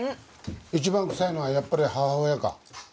一番くさいのはやっぱり母親か。